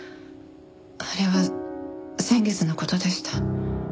あれは先月の事でした。